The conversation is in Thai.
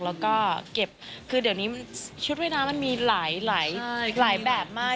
แล้วก็เก็บคือเดี๋ยวนี้ชุดว่ายน้ำมันมีหลายแบบมาก